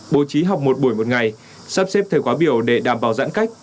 bố trí học một buổi một ngày sắp xếp thời khóa biểu để đảm bảo giãn cách